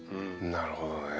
なるほどね。